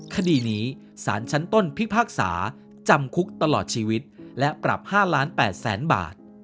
คดีนี้สารชั้นต้นพิพากษาจำคุกตลอดชีวิตและปรับ๕ล้าน๘แสนบาท